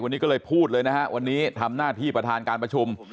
วันนี้ก็เลยพูดเลยนะฮะวันนี้ทำหน้าที่ประธานการประชุม